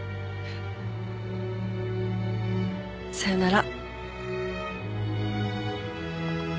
さよなら。